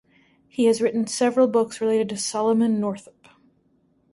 He has written several books related to Solomon Northup.